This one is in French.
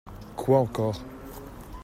Quoi encore ?